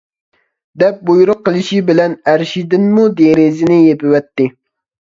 دەپ بۇيرۇق قىلىشى بىلەن ئەرشىدىنمۇ دېرىزىنى يېپىۋەتتى.